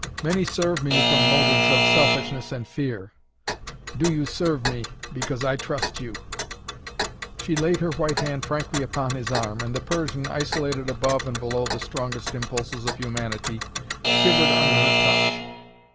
"Many serve me from motives of selfishness and fear. Do you serve me, because I trust you." She laid her white hand frankly upon his arm and the Persian, isolated above and below the strongest impulses of humanity, shivered under her touch.